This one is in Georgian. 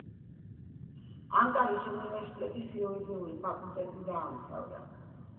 ანკარის უნივერსიტეტის იურიდიული ფაკულტეტი დაამთავრა.